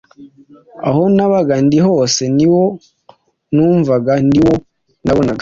Aho nabaga ndi hose ni wo numvaga, ni wo nabonaga.